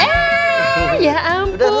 eh ya ampun